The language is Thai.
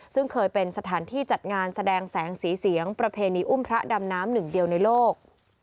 ซึ่งเคยเป็นสถานที่จัดงานแสดงแสงสีเสียงประเพณีอุ้มพระดำน้ำหนึ่งเดียวในโลก